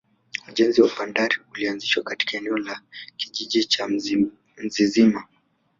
ujenzi wa bandari ulianzishwa katika eneo la kijiji cha mzizima